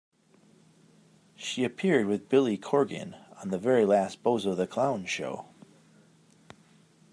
She appeared with Billy Corgan on the very last Bozo the Clown Show.